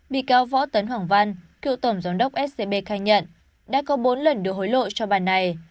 bị cáo võ tấn hoàng văn cựu tổng giám đốc scb khai nhận đã có bốn lần đưa hối lộ cho bà này